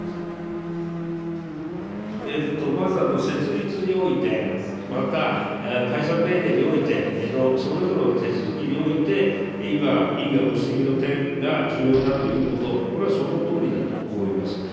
まず、設立において、また解散命令においてのそれぞれの手続きにおいて、今、委員がご指摘の点が重要だということ、これはそのとおりだと思います。